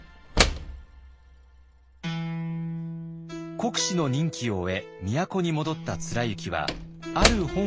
国司の任期を終え都に戻った貫之はある本を書き始めます。